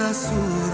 aku akan pergi